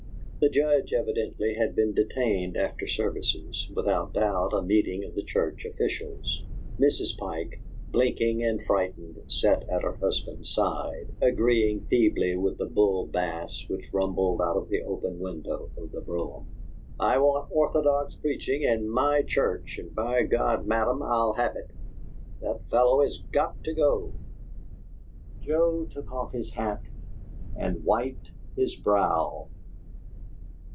The Judge, evidently, had been detained after services without doubt a meeting of the church officials. Mrs. Pike, blinking and frightened, sat at her husband's side, agreeing feebly with the bull bass which rumbled out of the open window of the brougham: "I want orthodox preaching in MY church, and, by God, madam, I'll have it! That fellow has got to go!" Joe took off his hat and wiped his brow.